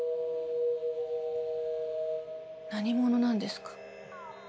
何者なんですか？